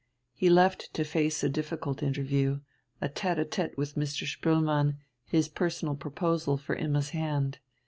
He left to face a difficult interview, a tête à tête with Mr. Spoelmann, his personal proposal for Imma's hand.